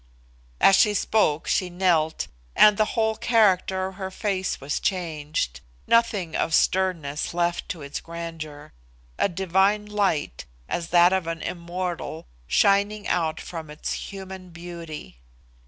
As she spoke, she knelt, and the whole character of her face was changed; nothing of sternness left to its grandeur; a divine light, as that of an immortal, shining out from its human beauty.